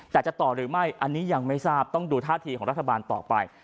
แต่จะต่อหรือไม่อันนี้ยังไม่ทราบต้องดูท่าทีของรัฐบาลต่อไป